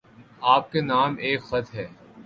آپ کے نام ایک خط ہے